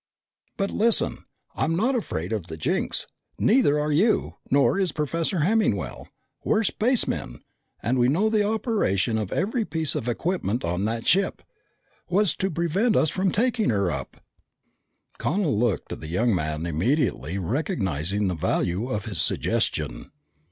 But listen, I'm not afraid of the jinx. Neither are you, nor is Professor Hemmingwell. We're spacemen. And we know the operation of every piece of equipment on that ship. What's to prevent us from taking her up?" Connel looked at the young man, immediately recognizing the value of his suggestion.